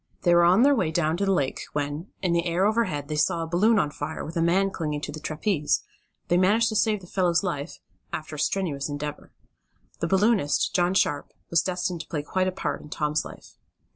They were on their way down the lake when, in the air overhead they saw a balloon on fire, with a man clinging to the trapeze. They managed to save the fellow's life, after a strenuous endeavor. The balloonist, John Sharp, was destined to play quite a part in Tom's life.